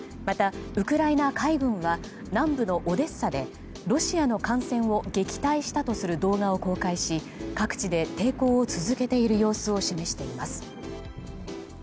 また、ウクライナ海軍は南部のオデッサでロシアの艦船を撃退したとする動画を公開し各地で抵抗を続けている様子を示しています。